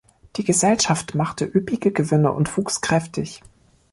Die Gesellschaft machte üppige Gewinne und wuchs kräftig.